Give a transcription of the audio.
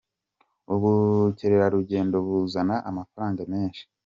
Ubu kerarugendo buzana amafaranga menshi.